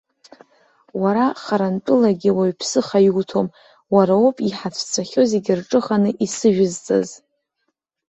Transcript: Уара харантәылагьы уаҩ ԥсыха иуҭом, уара уоуп иҳацәцахьоу зегьы рҿыханы исыжәызҵаз.